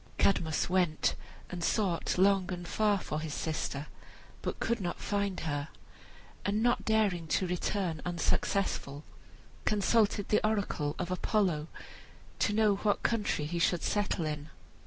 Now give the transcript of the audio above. Cadmus went and sought long and far for his sister, but could not find her, and not daring to return unsuccessful, consulted the oracle of Apollo to know what country he should settle in.